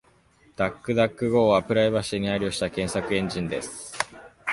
DuckDuckGo はプライバシーに配慮した検索エンジンです。